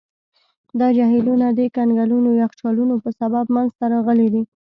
دا جهیلونه د کنګلونو یخچالونو په سبب منځته راغلي دي.